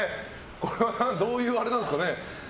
これは、どういうあれですかね。